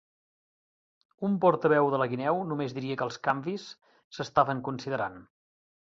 Un portaveu de la guineu només diria que els canvis s'estaven considerant.